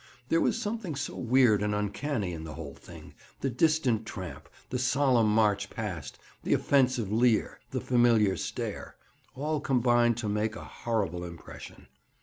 There was something so weird and uncanny in the whole thing—the distant tramp, the solemn march past, the offensive leer, the familiar stare, all combined to make a horrible impression.